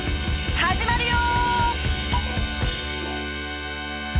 始まるよ！